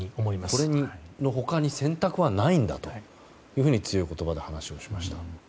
これの他に選択はないんだと強い言葉で話をしました。